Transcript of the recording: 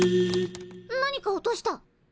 何か落とした。